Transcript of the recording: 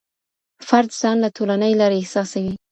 فرد ځان له ټولني لرې احساسوي.